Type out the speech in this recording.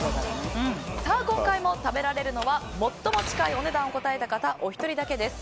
今回も食べられるのは最も近いお値段を答えた方お一人だけです。